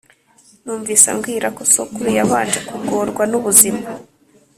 numvise ambwirako sokuru yabanje kugorwa nubuzima